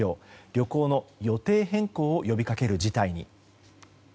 旅行の予定変更を呼びかける事態に。